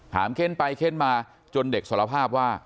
เค้นไปเค้นมาจนเด็กสารภาพว่า